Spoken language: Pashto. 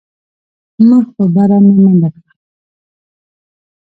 مخ په بره مې منډه کړه.